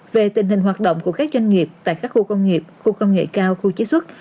về tình hình hoạt động của các doanh nghiệp tại các khu công nghiệp khu công nghệ cao khu chế xuất